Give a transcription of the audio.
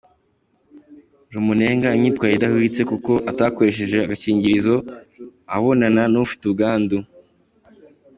Rumunenga imyitwarire idahwitse kuko atakoresheje agakingirizo abonana n’ufite ubwandu.